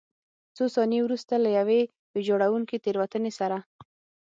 څو ثانیې وروسته له یوې ویجاړوونکې تېروتنې سره.